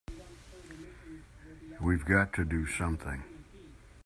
We've got to do something!